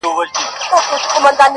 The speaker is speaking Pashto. مسافرۍ كي يك تنها پرېږدې,